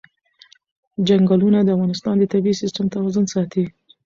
چنګلونه د افغانستان د طبعي سیسټم توازن ساتي.